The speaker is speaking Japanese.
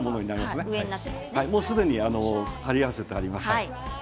もうすでに張り合わせてあります。